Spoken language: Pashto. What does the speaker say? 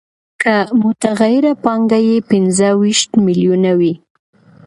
که متغیره پانګه یې پنځه ویشت میلیونه وي